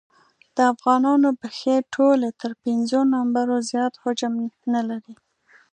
د افغانانو پښې ټولې تر پېنځو نمبرو زیات حجم نه لري.